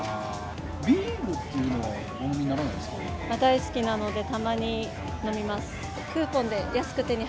ビールっていうのはお飲みに大好きなので、たまに飲みます。